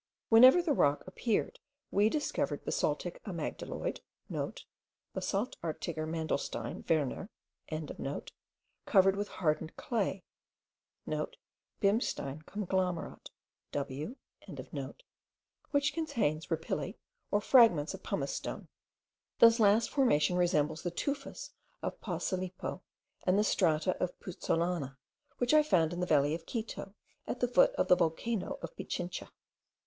Whenever the rock appeared, we discovered basaltic amygdaloid* (* Basaltartiger Mandelstein. Werner.) covered with hardened clay,* (* Bimstein Conglomerat. W.) which contains rapilli, or fragments of pumice stone. This last formation resembles the tufas of Pausilippo, and the strata of puzzolana, which I found in the valley of Quito, at the foot of the volcano of Pichincha.